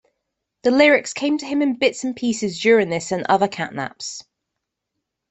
The lyrics came to him in bits and pieces during this and other catnaps.